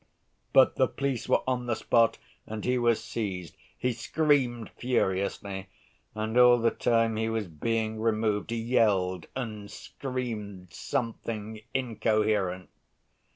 But the police were on the spot and he was seized. He screamed furiously. And all the time he was being removed, he yelled and screamed something incoherent.